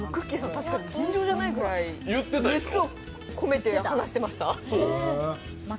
確かに、尋常じゃないぐらい熱を込めて話してました。